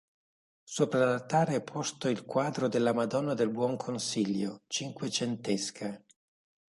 Sopra l'altare è posto il quadro della "Madonna del Buon Consiglio", cinquecentesca.